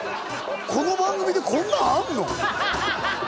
この番組でこんなんあんの？